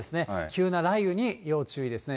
急な雷雨に要注意ですね。